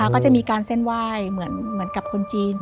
ก็จะมีการเส้นไหว้เหมือนกับคนจีน